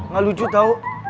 gak lucu tau